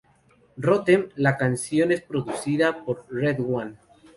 Rotem, la canción es producida por RedOne.